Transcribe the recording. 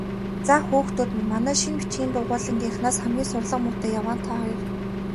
Заа, хүүхдүүд минь, манай шинэ бичгийн дугуйлангийнхнаас хамгийн сурлага муутай яваа нь та хоёр.